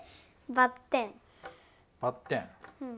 ばってん。